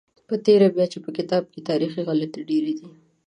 په تېره بیا چې په کتاب کې تاریخي غلطۍ ډېرې دي.